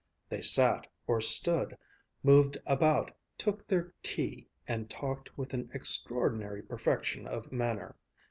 They sat, or stood, moved about, took their tea, and talked with an extraordinary perfection of manner.